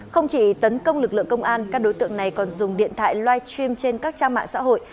không chỉ tấn công lực lượng công an các đối tượng này còn dùng điện thoại live stream trên các trang mạng xã hội